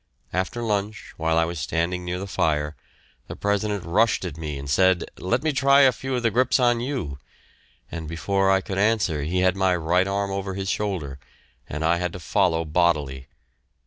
After lunch, while I was standing near the fire, the President rushed at me and said, "Let me try a few of the grips on you," and before I could answer he had my right arm over his shoulder, and I had to follow bodily.